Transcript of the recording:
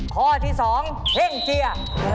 ข้อที่๒เฮ่งเจีย